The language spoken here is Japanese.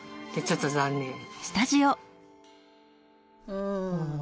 うん。